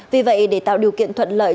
vì vậy để tạo điều kiện thuận lợi